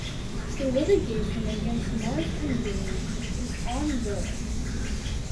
The litigation against Marsh and Byrne is ongoing.